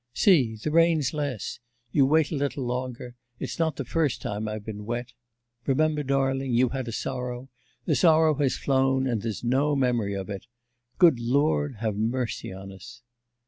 See the rain's less; you wait a little longer. It's not the first time I've been wet. Remember, darling; you had a sorrow, the sorrow has flown, and there's no memory of it. Good Lord, have mercy on us!